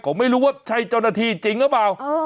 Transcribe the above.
ผมไม่รู้ว่าใช่เจ้าหน้าที่จริงหรือเปล่า